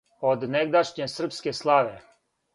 Од негдашње српске славе,